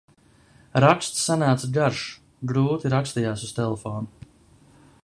Raksts sanāca garš, grūti rakstījās uz telefona.